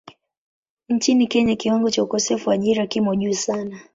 Nchini Kenya kiwango cha ukosefu wa ajira kimo juu sana.